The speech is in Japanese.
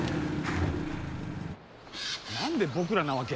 何で僕らなわけ？